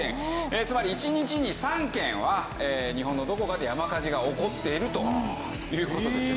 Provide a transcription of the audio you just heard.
つまり１日に３件は日本のどこかで山火事が起こっているという事ですよ。